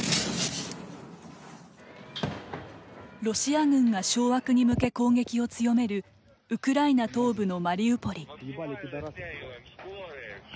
ロシア軍が掌握に向け攻撃を強めるウクライナ東部のマリウポリ。